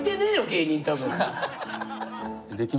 芸人多分。